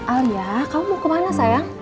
alia kamu mau kemana sayang